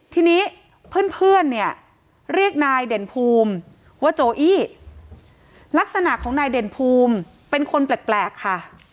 ทีนี้เพื่อนเนี่ยเรียกนายเด่นภูมิว่าโจอี้ลักษณะของนายเด่นภูมิเป็นคนแปลกค่ะ